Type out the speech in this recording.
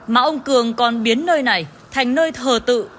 mà ông cường còn biến nơi này thành nơi thờ tự